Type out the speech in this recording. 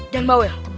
jangan bawa ya